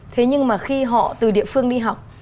thế nhưng mà khi họ từ địa phương đi học